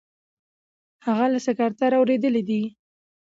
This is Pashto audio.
د هغه له سکرتر اوریدلي دي.